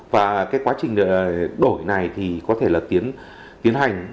và cái quá trình đổi này thì có thể là tiến hành